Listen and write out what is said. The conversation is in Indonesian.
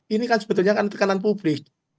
ini kan sebetulnya kan tekanan publik